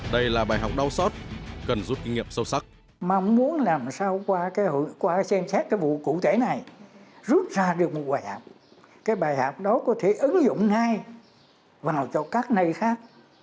đây là bài học đau sót cần rút kinh nghiệm sâu sắc